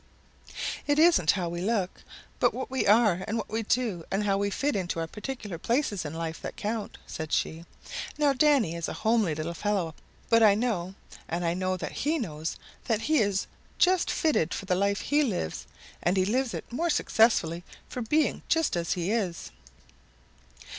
"It isn't how we look, but what we are and what we do and how we fit into our particular places in life that count," said she. "Now, Danny is a homely little fellow, but I know, and I know that he knows that he is just fitted for the life he lives, and he lives it more successfully for being just as he is.